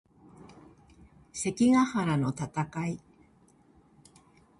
関ヶ原の戦い